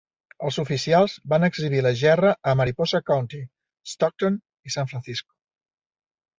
Els oficials van exhibir la gerra a Mariposa County, Stockton i San Francisco.